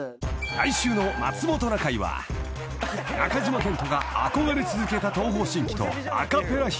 ［来週の『まつもｔｏなかい』は中島健人が憧れ続けた東方神起とアカペラ披露］